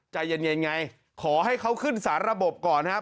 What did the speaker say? ใจเย็นไงขอให้เขาขึ้นสารระบบก่อนนะครับ